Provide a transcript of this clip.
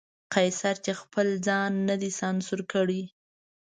قیصر چې خپل ځان نه دی سانسور کړی.